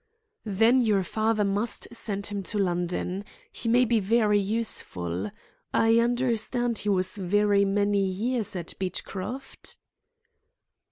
"Then your father must send him to London. He may be very useful. I understand he was very many years at Beechcroft?"